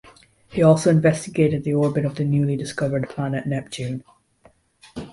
He also investigated the orbit of the newly discovered planet Neptune.